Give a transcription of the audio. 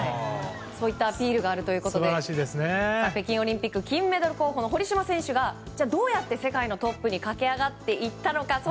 そういったアピールがあるということで北京オリンピック金メダル候補の堀島選手が、どうやって世界のトップに駆け上がっていったのか。